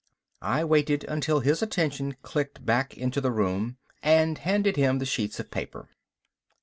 I waited until his attention clicked back into the room, and handed him the sheets of paper.